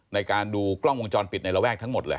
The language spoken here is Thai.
ในการดูกล้องวงจรปิดในระแวกทั้งหมดเลย